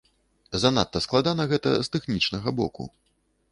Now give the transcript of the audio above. Занадта складана гэта з тэхнічнага боку.